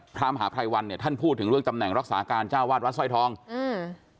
พระมหาภัยวันเนี่ยท่านพูดถึงเรื่องตำแหน่งรักษาการเจ้าวาดวัดสร้อยทองอืม